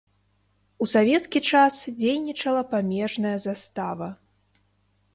У савецкі час дзейнічала памежная застава.